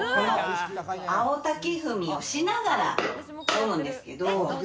青竹踏みをしながら飲むんですけど。